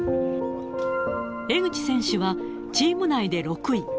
江口選手は、チーム内で６位。